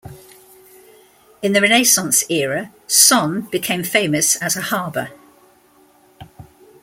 In the Renaissance era, Son became famous as a harbour.